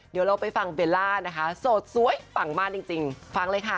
เดี๋ยวเราไปฟังเบลล่านะคะโสดสวยปังมากจริงฟังเลยค่ะ